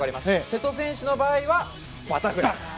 瀬戸選手の場合はバタフライ。